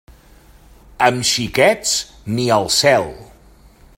Amb xiquets, ni al cel.